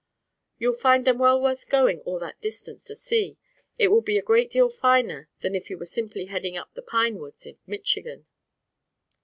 You'll find them well worth going all that distance to see. It will be a great deal finer than if you were simply heading up into the pine woods of Michigan."